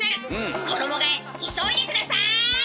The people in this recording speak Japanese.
衣がえ急いで下さい！